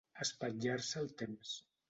Espatllar-se el temps.